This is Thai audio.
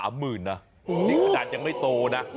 ดินขนาดจะไม่โต